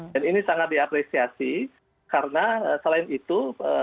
dan ini sangat diapresiasi karena selain itu